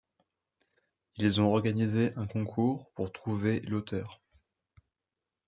Ils ont organisé un concours pour trouver l'auteur.